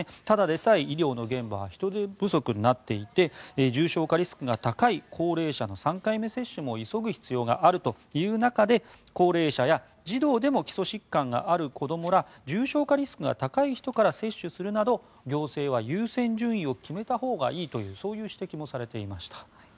ただでさえ医療の現場は人手不足になっていて重症化リスクが高い高齢者の３回目接種も急ぐ必要があるという中で高齢者や、児童でも基礎疾患がある子どもら重症化リスクの高い人から接種するなど、行政は優先順位を決めたほうがいいというそういう指摘もされていました。